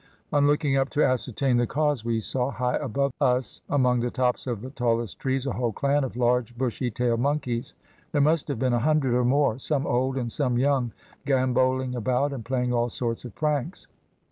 On looking up to ascertain the cause, we saw, high above up, among the tops of the tallest trees a whole clan of large bushy tailed monkeys; there must have been a hundred or more, some old, and some young, gambolling about and playing all sorts of pranks.